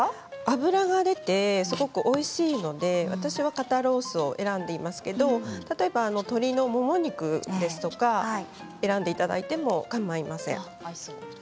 脂が出ておいしいので肩ロースを選んでいますが例えば鶏のもも肉とか選んでいただいてもかまいません。